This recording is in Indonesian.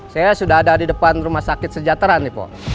saya sudah ada di depan rumah sakit sejahtera nih pak